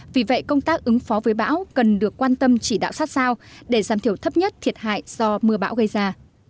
vì vậy công tác ứng phó với bão cần được quan tâm chỉ đạo sát sao để giảm thiểu thấp nhất thiệt hại do mưa bão gây ra